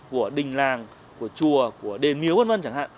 của đình làng của chùa của đền miếu v v chẳng hạn